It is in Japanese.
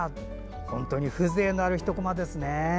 本当に風情のある、一こまですね。